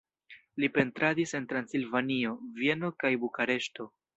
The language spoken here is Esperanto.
Li pentradis en Transilvanio, Vieno kaj Bukareŝto.